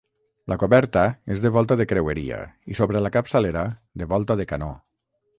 La coberta és de volta de creueria i sobre la capçalera de volta de canó.